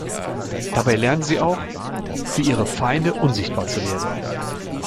Dabei lernen sie auch, für ihre Feinde unsichtbar zu werden.